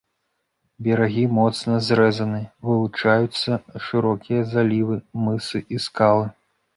Берагі моцна зрэзаны, вылучаюцца шырокія залівы, мысы і скалы.